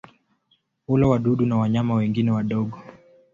Hula wadudu na wanyama wengine wadogo.